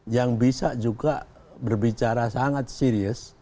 yang bisa juga berbicara sangat serius